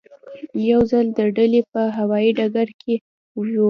یو ځل د ډیلي په هوایي ډګر کې وو.